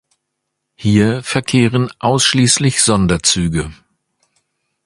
Hier verkehren ausschließlich Sonderzüge.